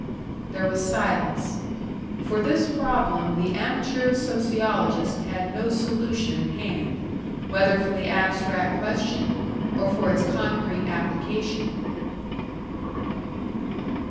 There was silence. For this problem the amateur sociologist had no solution at hand whether for the abstract question, or for its concrete application!